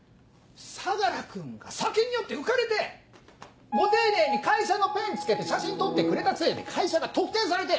相良君が酒に酔って浮かれてご丁寧に会社のペンつけて写真撮ってくれたせいで会社が特定されて！